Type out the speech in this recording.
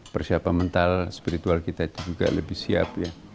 persiapan mental spiritual kita juga lebih siap